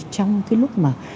trong cái lúc mà